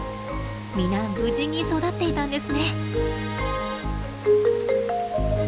皆無事に育っていたんですね。